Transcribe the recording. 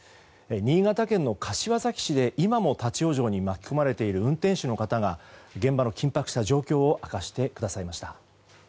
新潟県の柏崎市で今も立ち往生に巻き込まれている運転手の方が現場の緊迫した状況を明かしてくださいました。